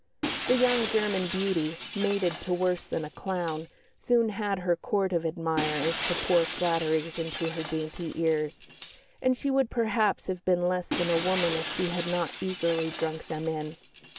The young German beauty, mated to worse than a clown, soon had her Court of admirers to pour flatteries into her dainty ears, and she would perhaps have been less than a woman if she had not eagerly drunk them in.